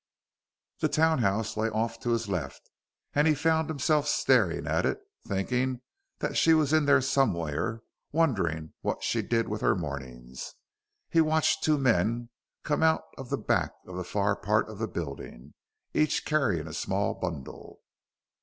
The townhouse lay off to his left, and he found himself staring at it, thinking that she was in there somewhere, wondering what she did with her mornings. He watched two men come out of the back of the far part of the building, each carrying a small bundle.